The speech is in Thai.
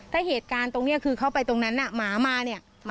ถ้าเหตุการณ์ตรงนี้คือเข้าไปตรงนั้นหมามาเนี่ย